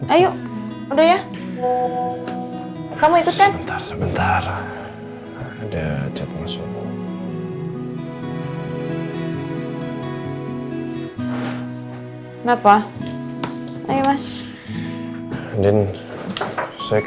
ayo udah ya kamu itu sebentar sebentar ada cepet